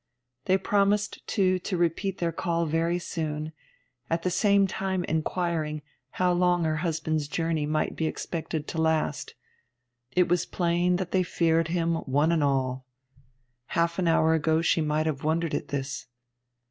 They promised, too, to repeat their call very soon, at the same time inquiring how long her husband's journey might be expected to last. It was plain that they feared him, one and all. Half an hour ago she might have wondered at this.